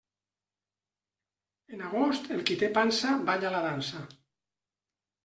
En agost, el qui té pansa balla la dansa.